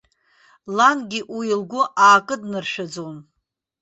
Лангьы уи лгәы аакыднаршәаӡон.